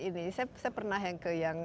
ini saya pernah yang ke yang